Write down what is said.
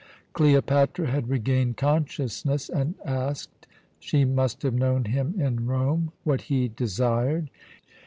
Cleopatra had regained consciousness and asked she must have known him in Rome what he desired.